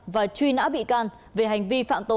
và truy nã bị can về hành vi phạm tội